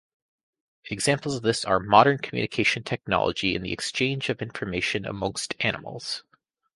Examples of this are modern communication technology and the exchange of information amongst animals.